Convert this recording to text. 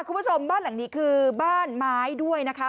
คุณผู้ชมบ้านหลังนี้คือบ้านไม้ด้วยนะคะ